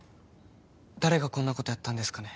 誰がこんなことやったんですかね